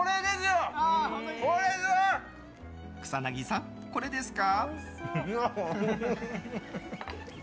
草薙さん、これですか？